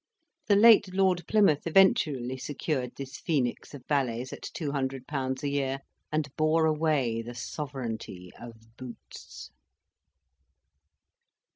The late Lord Plymouth eventually secured this phoenix of valets at 200£. a year, and bore away the sovereignty of boots.